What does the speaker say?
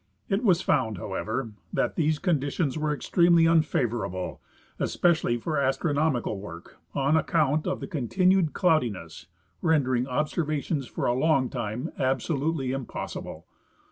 It was found, however, that these conditions were extremely unfavorable, especially for astronomical work, on account of the continued cloudiness, rendering observations for a long time absolutely impossible.